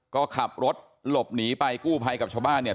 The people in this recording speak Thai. ก็ขับรถหลบหนีไปกู้ภัยกับชาวบ้านเนี่ย